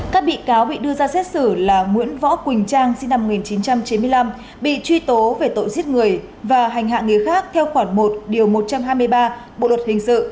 các bị cáo bị đưa ra xét xử là nguyễn võ quỳnh trang sinh năm một nghìn chín trăm chín mươi năm bị truy tố về tội giết người và hành hạ người khác theo khoản một một trăm hai mươi ba bộ luật hình sự